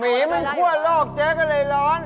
มันทั่วโลกเจ๊ก็เลยร้อน